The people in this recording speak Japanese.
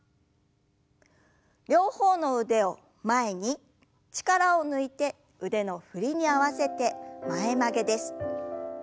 両方の腕を前に力を抜いて腕の振りに合わせて前曲げです。